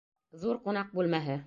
Ҙур ҡунаҡ бүлмәһе.